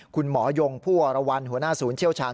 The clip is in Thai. คุณหมอยงผู้วรวรรณหัวหน้าศูนย์เชี่ยวชาญ